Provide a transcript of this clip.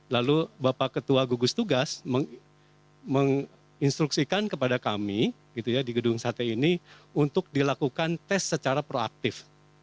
lalu bapak ketua gugus tugas menginstruksikan kepada kami di gedung sate ini untuk dilakukan tes secara proaktif